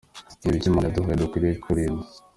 Ni ibiki Imana yaduhaye dukwiriye kurinda?.